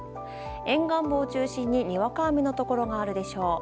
沿岸部を中心ににわか雨のところがあるでしょう。